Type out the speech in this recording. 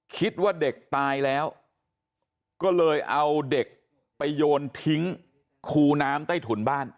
คิดว่าเด็กตายแล้วก็เลยเอาเด็กไปโยนทิ้งคูน้ำใต้ถุนบ้าน